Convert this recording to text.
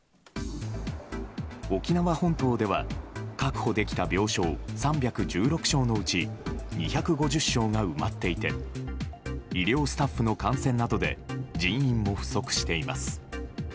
沖縄本島では確保できた病床３１６床のうち２５０床が埋まっていて医療スタッフの感染などで人員も不足しています。